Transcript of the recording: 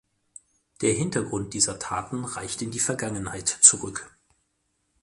Der Hintergrund dieser Taten reicht in die Vergangenheit zurück.